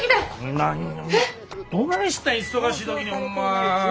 何どないしたん忙しい時にホンマ。